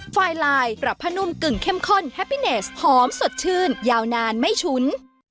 ไฟไลน์ปรับผ้านุ่มกึ่งเข้มข้นแฮปปี้เนสหอมสดชื่นยาวนานไม่ชุ้น